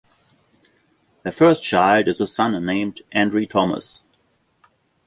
Their first child is a son named Andre Tomas.